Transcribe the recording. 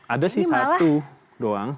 ada sih satu doang